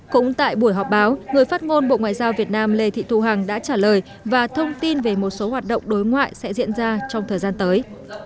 cũng tại buổi họp báo người phát ngôn bộ ngoại giao việt nam lê thị thu hằng đã trả lời và thông tin về một số hoạt động đối ngoại sẽ diễn ra trong thời gian tới